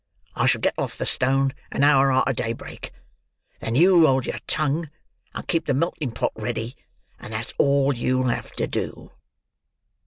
I shall get off the stone an hour arter daybreak. Then you hold your tongue, and keep the melting pot ready, and that's all you'll have to do."